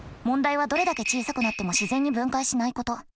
問題はどれだけ小さくなっても自然に分解しないこと。